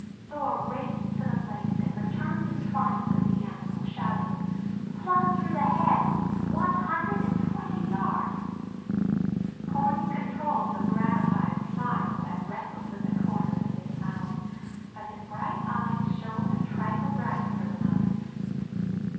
Thor raced to the place and returned in triumph with the animal, shouting: "Plumb through the head one hundred and twenty yards." Corney controlled the gratified smile that wrestled with the corners of his mouth, but his bright eyes shone a trifle brighter for the moment.